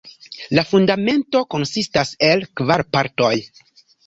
La Fundamento konsistas el kvar partoj.